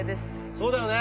そうだよね。